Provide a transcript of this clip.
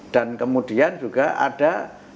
dan kemudian juga ada